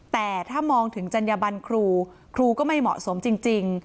แต่ถ้ามองถึงจัญญบันครูครูก็ไม่เหมาะสมจริง